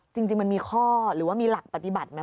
จริงมันมีข้อหรือว่ามีหลักปฏิบัติไหม